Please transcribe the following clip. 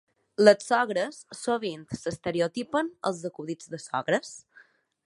Les sogres sovint s'estereotipen als acudits de sogres.